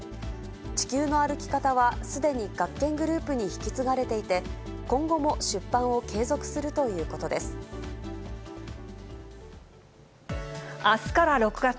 地球の歩き方は、すでに学研グループに引き継がれていて、今後も出版を継続するとあすから６月。